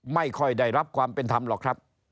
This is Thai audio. ไม่ค่อยได้รับความเป็นธรรมหรอกครับ